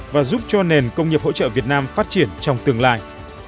và giúp cho nền công nghiệp hỗ trợ việt nam phát triển trong tương lai